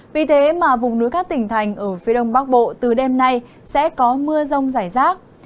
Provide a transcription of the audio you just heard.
vì thế mà vùng núi các tỉnh thành ở phía đông bắc bộ từ đêm nay sẽ có mưa rông rải rác